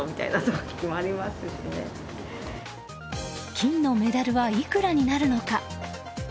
金のメダルはいくらになるのか。